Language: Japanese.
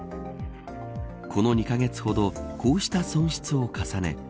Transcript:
この２カ月ほどこうした損失を重ね